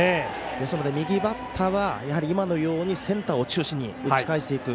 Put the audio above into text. ですので右バッターは今のようにセンターを中心に打ち返していく。